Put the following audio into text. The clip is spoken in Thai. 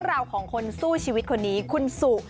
ราวของคนสู้ชีวิตคนนี้คุณสุ